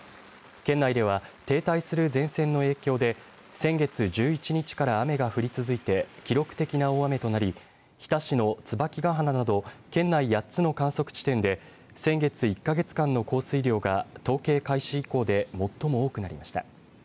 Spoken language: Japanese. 県内では停滞する前線の影響で先月１１日から雨が降り続いて記録的な大雨となり日田市の椿ヶ鼻など市内の８つの観測地点で先月１か月間の降水量が統計開始以降で最も多くなりました。